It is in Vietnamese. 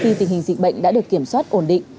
khi tình hình dịch bệnh đã được kiểm soát ổn định